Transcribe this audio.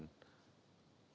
beberapa aplikasi online dan layar